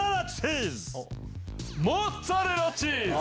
モッツァレラチーズ！